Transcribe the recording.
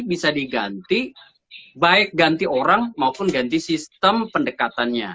bisa diganti baik ganti orang maupun ganti sistem pendekatannya